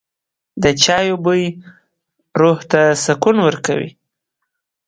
د چای بوی روح ته سکون ورکوي.